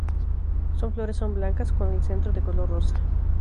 Sus flores son blancas con el centro de color rosa.